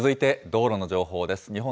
続いて道路の情報です。